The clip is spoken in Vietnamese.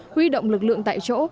huy động lực lượng tại chỗ